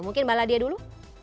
mungkin mbak ladiya dulu